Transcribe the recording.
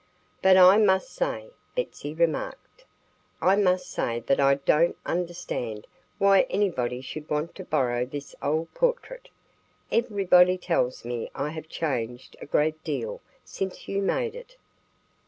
"But I must say " Betsy remarked "I must say that I don't understand why anybody should want to borrow this old portrait. Everyone tells me I have changed a great deal since you made it."